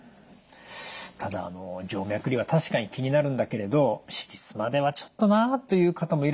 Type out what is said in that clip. ただ静脈瘤は確かに気になるんだけれど「手術まではちょっとな」という方もいらっしゃるかと思うんですけれど。